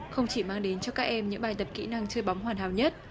không chỉ mang đến cho các em những bài tập kỹ năng chơi bóng hoàn hảo nhất